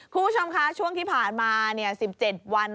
คุณผู้ชมคะช่วงที่ผ่านมา๑๗วัน